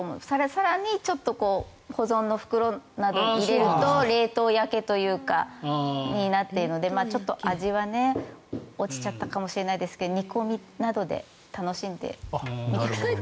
更にちょっと保存の袋などに入れると冷凍焼けになるのでちょっと味は落ちちゃったかもしれないですけど煮込みなどで楽しんでみてください。